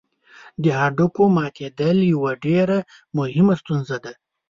د هډوکي ماتېدل یوه ډېره مهمه ستونزه ده.